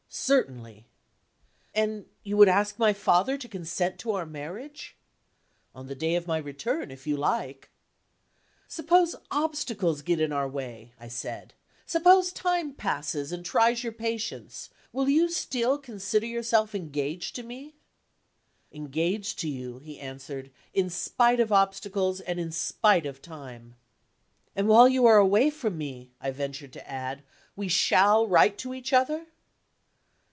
"Certainly!" "And you would ask my father to consent to our marriage?" "On the day of my return, if you like." "Suppose obstacles get in our way," I said "suppose time passes and tries your patience will you still consider yourself engaged to me?" "Engaged to you," he answered, "in spite of obstacles and in spite of time." "And while you are away from me," I ventured to add, "we shall write to each other?"